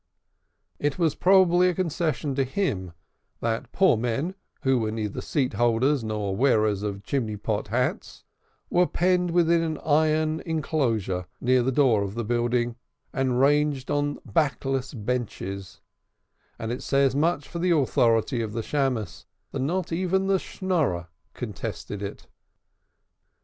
It was probably as a concession to him that poor men, who were neither seat holders nor wearers of chimney pot hats, were penned within an iron enclosure near the door of the building and ranged on backless benches, and it says much for the authority of the Shammos that not even the Schnorrer contested it.